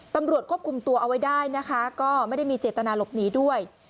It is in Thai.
ตำรวจควบคุมตัวเอาไว้ได้นะคะก็ไม่ได้มีเจตนาหลบหนีด้วย